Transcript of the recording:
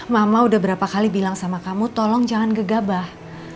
mama udah berapa kali bilang sama kamu tolong jangan gegabah